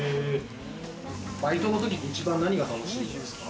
バイトのとき、一番何が楽しみですか？